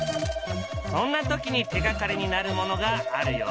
そんなときに手がかりになるものがあるよ。